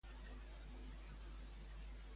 Quan va decidir iniciar amb la música?